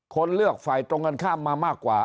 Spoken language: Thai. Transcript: คนเลือกฝ่ายตรงกันข้ามมามากกว่า